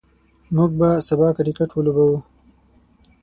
موږ به سبا کرکټ ولوبو.